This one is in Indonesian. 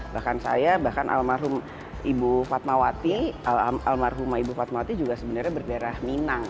bahkan saya bahkan almarhum ibu fatmawati almarhumah ibu fatmawati juga sebenarnya berdarah minang